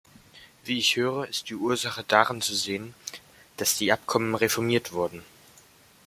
Wie ich höre, ist die Ursache darin zu sehen, dass die Abkommen reformiert wurden.